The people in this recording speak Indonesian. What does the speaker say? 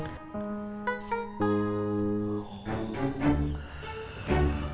tapi gak bisa dimutahin